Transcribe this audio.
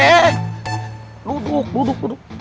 eh duduk duduk duduk